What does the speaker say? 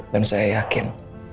dan saya yakin